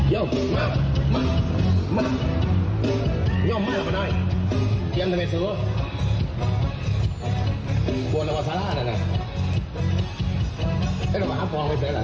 เอาแม่ปองไปเสร็จเหรอ